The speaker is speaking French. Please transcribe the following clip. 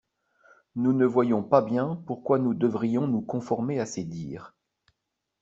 Nous ne voyions pas bien pourquoi nous devions nous conformer à ses dires.